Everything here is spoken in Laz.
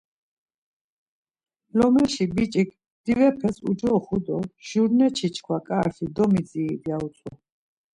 Lomeşi biç̌ik divepes ucoxu do, Jurneçi çkva ǩafri komidzirit ya utzu.